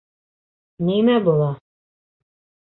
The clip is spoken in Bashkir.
Нимә була?..